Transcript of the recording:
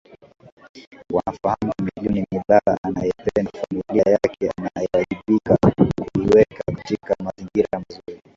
wanafahamu Chameleone ni baba anayeipenda familia yake anayewajibika kuiweka katika mazingira mazuri